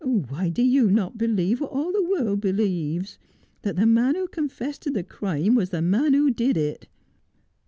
Why do you not be lieve what all the world believes — that the man who confessed to the crime was the man who did it